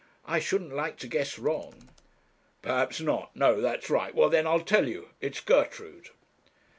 I shouldn't like to guess wrong.' 'Perhaps not no; that's right; well then, I'll tell you; it's Gertrude.'